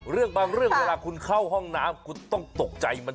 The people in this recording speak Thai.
เรื่องบางเรื่องเวลาคุณเข้าห้องน้ำคุณต้องตกใจมัน